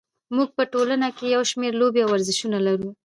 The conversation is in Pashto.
موږ په ټولنه کې یو شمېر لوبې او ورزشونه لرو.